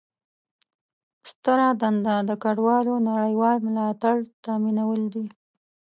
ستره دنده د کډوالو نړیوال ملاتړ تامینول دي.